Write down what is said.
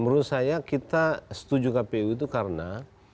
menurut saya kita setuju kpu itu karena